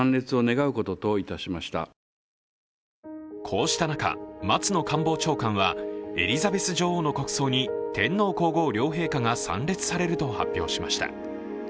こうした中、松野官房長官はエリザベス女王の国葬に天皇皇后両陛下が参列されると発表しました。